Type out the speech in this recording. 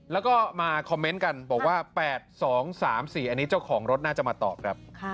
แล้วก็มาคอมเมนต์กันบอกว่า๘๒๓๔อันนี้เจ้าของรถน่าจะมาตอบครับ